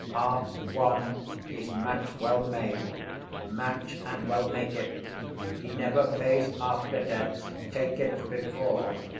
Half won is match well made; match, and well make it; He ne'er pays after debts, take it before.